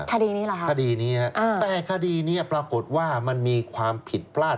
คดีนี้เหรอฮะคดีนี้ฮะแต่คดีนี้ปรากฏว่ามันมีความผิดพลาด